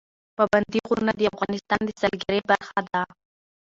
پابندی غرونه د افغانستان د سیلګرۍ برخه ده.